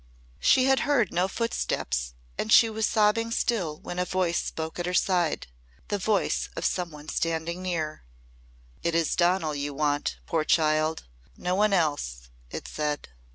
She had heard no footsteps and she was sobbing still when a voice spoke at her side the voice of some one standing near. "It is Donal you want, poor child no one else," it said.